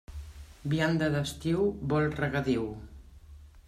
Vianda d'estiu vol regadiu.